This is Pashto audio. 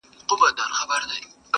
څه شڼهار د مرغلينو اوبو،